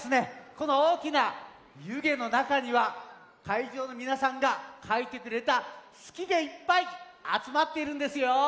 このおおきなゆげのなかにはかいじょうのみなさんがかいてくれた「すき」でいっぱいあつまっているんですよ。